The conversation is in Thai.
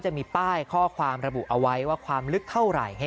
จะมีป้ายข้อความระบุเอาไว้ว่าความลึกเท่าไหร่